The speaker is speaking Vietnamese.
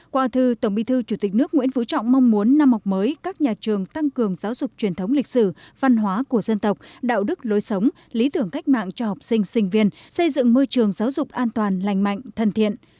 qua thư tổng bí thư chủ tịch nước nguyễn phú trọng mong muốn năm học mới các nhà trường tăng cường giáo dục truyền thống lịch sử văn hóa của dân tộc đạo đức lối sống lý tưởng cách mạng cho học sinh sinh viên xây dựng môi trường giáo dục an toàn lành mạnh thân thiện